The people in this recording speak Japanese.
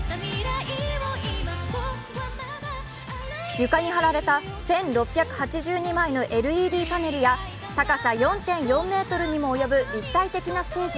床に貼られた１６８２枚のＬＥＤパネルや高さ４．４ｍにも及ぶ立体的なステージ。